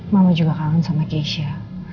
mama juga kangen sama keisha